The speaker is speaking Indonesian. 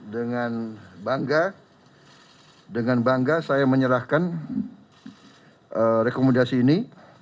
dengan bangga dengan bangga saya menyerahkan rekomendasi ini